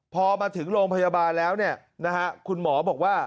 พอมาถึงโรงพยาบาลแล้วคุณหมอบอกว่า